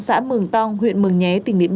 xã mường nhé